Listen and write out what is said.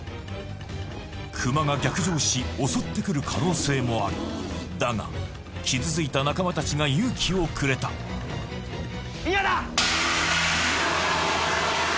クマが逆上し襲ってくる可能性もあるだが傷ついた仲間達が勇気をくれた今だ！